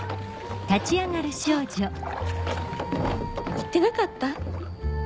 言ってなかった？